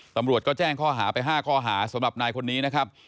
ตำรวจก็แจ้งข้อหาไป๕ข้อหาสำหรับนายคนนี้นะครับ